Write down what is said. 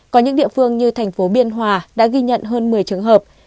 có những địa phương như tp biên hòa đã ghi nhận hơn một mươi trường hợp